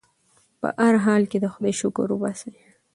په هر حال کې د خدای شکر وباسئ.